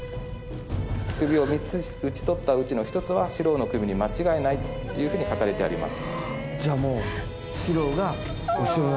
首を３つ討ち取ったうちの１つは四郎の首に間違いないというふうに書かれてあります。